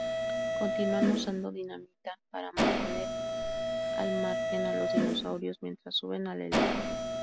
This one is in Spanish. Continúan usando dinamita para mantener al margen a los dinosaurios mientras suben al elevador.